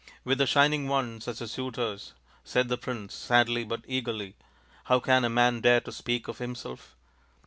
" With the Shining Ones as your suitors," said the prince sadly but eagerly, " how can a man dare to speak of himself